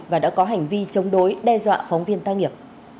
và đã có hành vi chống đối đe dọa phóng viên tác nghiệp